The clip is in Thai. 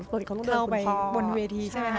เขาเข้าไปบนเวทีใช่ไหมค่ะ